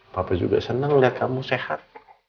papa juga seneng liat kamu sehat